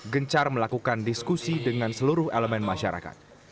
gencar melakukan diskusi dengan seluruh elemen masyarakat